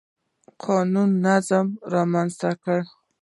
قانون او نظم رامنځته کړ.